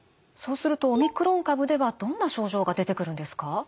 そうするとオミクロン株ではどんな症状が出てくるんですか？